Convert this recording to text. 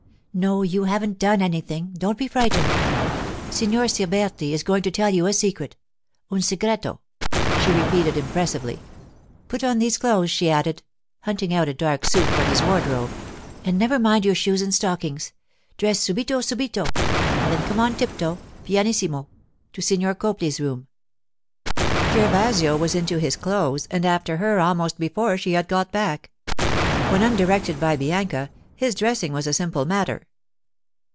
No, you haven't done anything; don't be frightened. Signor Siberti is going to tell you a secret—un segreto,' she repeated impressively. 'Put on these clothes,' she added, hunting out a dark suit from his wardrobe. 'And never mind your shoes and stockings. Dress subito, subito, and then come on tiptoe—pianissimo—to Signor Copley's room.' Gervasio was into his clothes and after her almost before she had got back. When undirected by Bianca, his dressing was a simple matter.